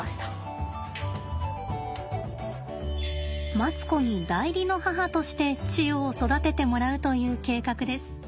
マツコに代理の母としてチヨを育ててもらうという計画です。